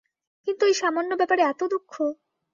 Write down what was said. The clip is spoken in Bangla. কিন্তু এই সামান্য ব্যাপারে এত দুঃখ!